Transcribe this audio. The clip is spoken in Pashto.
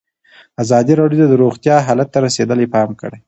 ازادي راډیو د روغتیا حالت ته رسېدلي پام کړی.